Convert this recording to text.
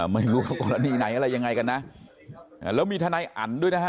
ไม่รู้ว่ากรณีไหนอะไรยังไงกันนะแล้วมีทนายอันด้วยนะฮะ